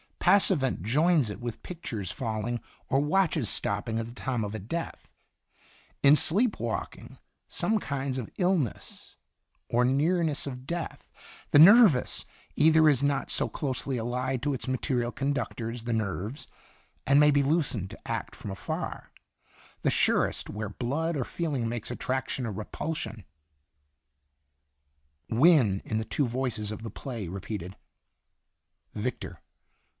Passavent joins it with pictures falling, or watches stop ping at the time of a death. In sleep walking, i4 Sin itinerant some kinds of illness, or nearness of death, the nervous ether is not so closely allied to its material conductors, the nerves, and may be loosened to act from afar, the surest where blood or feeling makes attraction or repulsion/' Wynne in the two voices of the play repeated :" VICTOR.